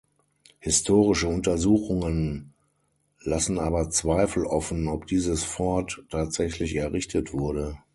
Historische Untersuchungen lassen aber Zweifel offen, ob dieses Fort tatsächlich errichtet wurde.